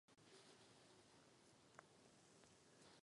Téhož dne vyhlásilo nezávislost na Jugoslávii také Chorvatsko.